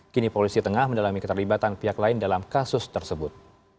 kini polisi tengah mendalami keterlibatan pihak lain dalam kasus tersebut